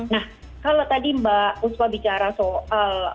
nah kalau tadi mbak uspa bicara soal